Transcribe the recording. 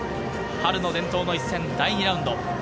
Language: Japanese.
春の伝統の一戦、第２ラウンド。